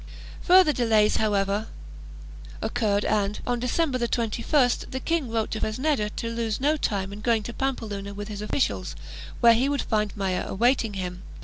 Further delays, however, occurred and, on December 21st, the king wrote to Fresneda to lose no time in going to Pampeluna with his officials, where he would find Maya awaiting him.